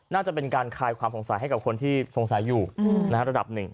น่าจะเป็นการคลายความสงสัยให้กับคนที่สงสัยอยู่ระดับหนึ่ง